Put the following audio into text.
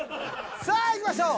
さあいきましょう。